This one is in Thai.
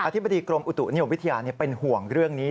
ธิบดีกรมอุตุนิยมวิทยาเป็นห่วงเรื่องนี้